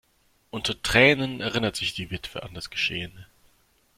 Unter Tränen erinnert sich die Witwe an das Geschehene.